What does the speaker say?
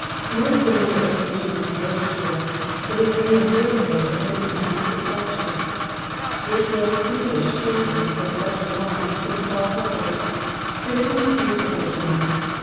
No stranger occasionally con versed with, but H near and dear friend admitted to my secret fellowship. It was fiendish treason for such a one to prove falsehearted. There was no excuse for such villainy.